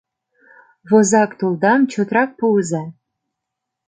Возак тулдам чотрак пуыза.